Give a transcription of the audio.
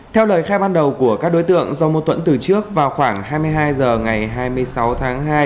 theo lời khai ban đầu của các đối tượng do mô tuẫn từ trước vào khoảng hai mươi hai h ngày hai mươi sáu tháng hai